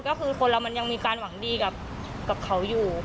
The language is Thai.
ก็คือคนเรามันยังมีการหวังดีกับเขาอยู่